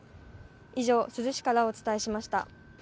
以上、珠洲市からお伝えしました。